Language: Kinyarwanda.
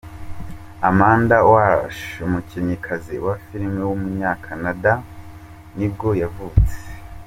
Amanda Walsh, umukinnyikazi wa film w’umunyakanada nibwo yavutse.